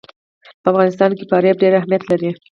په افغانستان کې فاریاب ډېر اهمیت لري.